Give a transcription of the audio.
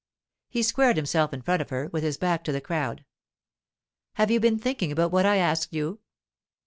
He squared himself in front of her, with his back to the crowd. 'Have you been thinking about what I asked you?